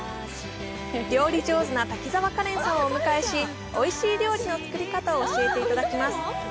料理上手な滝沢カレンさんをお迎えし、おいしい料理の作り方を教えていただきます。